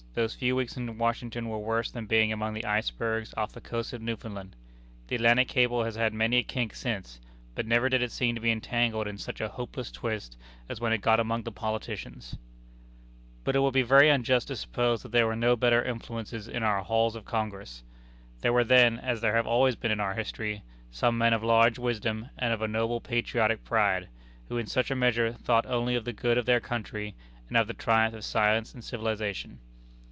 Those few weeks in Washington were worse than being among the icebergs off the coast of Newfoundland. The Atlantic Cable has had many a kink since, but never did it seem to be entangled in such a hopeless twist as when it got among the politicians. But it would be very unjust to suppose that there were no better influences in our Halls of Congress. There were then as there have always been in our history some men of large wisdom and of a noble patriotic pride, who in such a measure thought only of the good of their country and of the triumph of science and of civilization.